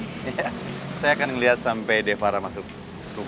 iya saya akan lihat sampai de farah masuk rumah